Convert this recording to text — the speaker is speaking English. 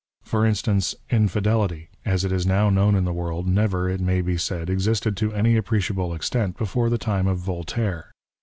Por instance, Infidelity, as it is now known in the world, never, it may be said, existed to any appreciable extent before the time of Yoltaire.